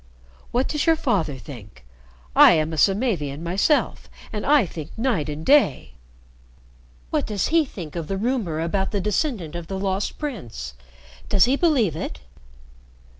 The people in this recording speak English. "What does your father think? I am a Samavian myself, and I think night and day. What does he think of the rumor about the descendant of the Lost Prince? Does he believe it?"